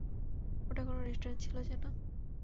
ওটা কোন রেস্টুরেন্ট ছিল যেন?